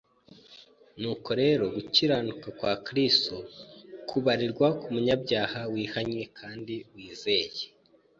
Nuko rero gukiranuka kwa Kristo kubarirwa ku munyabyaha wihannye kandi wizeye.